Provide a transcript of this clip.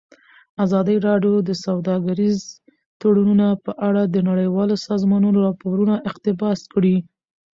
ازادي راډیو د سوداګریز تړونونه په اړه د نړیوالو سازمانونو راپورونه اقتباس کړي.